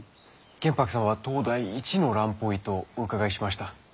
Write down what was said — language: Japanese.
玄白さんは当代一の蘭方医とお伺いしました。